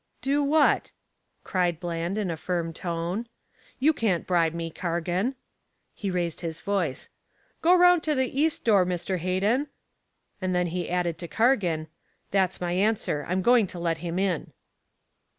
"Do what?" cried Bland in a firm tone. "You can't bribe me, Cargan." He raised his voice. "Go round to the east door, Mr. Hayden." Then he added, to Cargan: "That's my answer. I'm going to let him in."